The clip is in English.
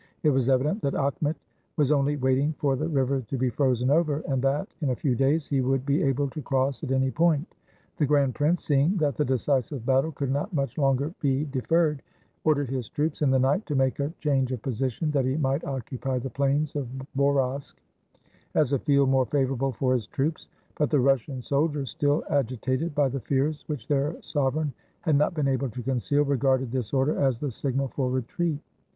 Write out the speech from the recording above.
It was evident that Akhmet was only waiting for the river to be frozen over, and that, in a few days, he would be able to cross at any point. The grand prince, seeing that the decisive battle could not much longer be de 42 HOW RUSSIA WAS FREED FROM TARTARS ferred, ordered his troops, in the night, to make a change of position, that he might occupy the plains of Borosk as a field more favorable for his troops. But the Russian soldiers, still agitated by the fears which their sovereign had not been able to conceal, regarded this order as the signal for retreat.